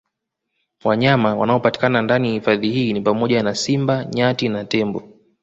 Wanyama wanaopatikana ndani ya hifadhi hii ni pamoja na Simba Nyati na Tembo